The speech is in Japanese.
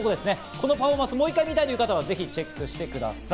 このパフォーマンスをもう１回見たという方はチェックしてください。